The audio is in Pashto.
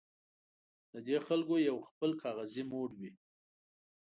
د دې خلکو یو خپل کاغذي موډ وي.